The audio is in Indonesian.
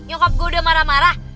youtup gue udah marah marah